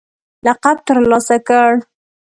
لقب ترلاسه کړ